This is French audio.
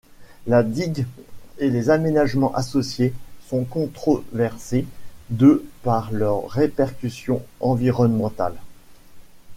La digue et les aménagements associés sont controversés de par leurs répercussions environnementales.